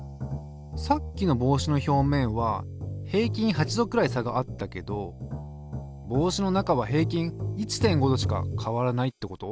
さっきの帽子の表面は平均８℃くらい差があったけど帽子の中は平均１．５℃しか変わらないってこと？